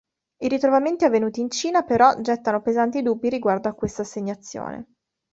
I ritrovamenti avvenuti in Cina, però, gettano pesanti dubbi riguardo a questa assegnazione.